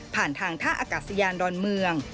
ผ่านทางท่าอากาศยานดอนเมือง